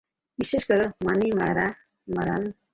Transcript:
বিশ্বাস করো, মানিমারান।